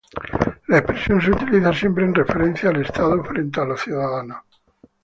La expresión se utiliza siempre en referencia al Estado frente a los ciudadanos.